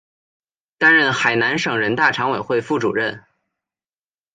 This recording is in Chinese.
担任海南省人大常委会副主任。